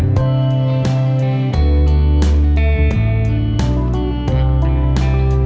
hẹn gặp lại